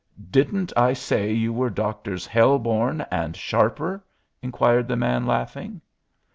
"Didn't I say you were Drs. Hell born and Sharper?" inquired the man, laughing.